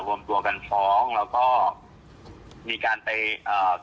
คุณต้องไปคุยกับกับนายก